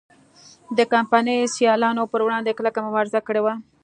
د کمپنۍ سیالانو پر وړاندې کلکه مبارزه کړې وه.